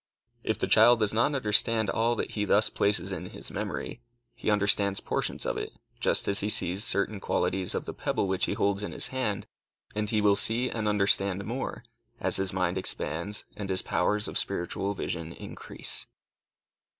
If the child does not understand all that he thus places in his memory, he understands portions of it just as he sees certain qualities of the pebble which he holds in his hand, and he will see and understand more, as his mind expands and his powers of spiritual vision increase.